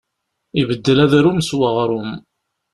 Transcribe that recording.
Ibeddel adrum s uɣrum.